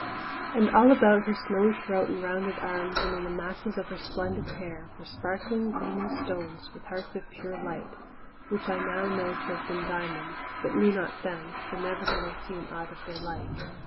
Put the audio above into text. And all about her snowy throat and rounded arms, and in the masses of her splendid hair, were sparkling, gleaming stones, with hearts of pure light, which I know now to have been diamonds, but knew not then, for never had I seen aught of their like.